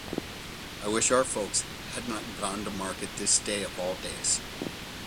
I wish our folks had not gone to market this day of all days.